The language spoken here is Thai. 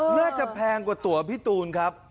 แพงกว่าตัวพี่ตูนครับ